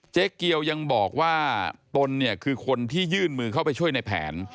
เจ๊เกียวยังบอกว่าตนเนี่ยคือคนที่ยื่นมือเข้าไปช่วยในแผน